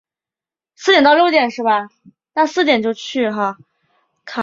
卡雷戈萨是葡萄牙阿威罗区的一个堂区。